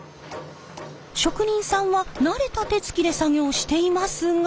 職人さんは慣れた手つきで作業していますが。